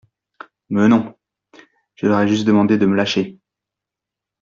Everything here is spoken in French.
Meuh non. Je leur ai juste demandé de me lâcher.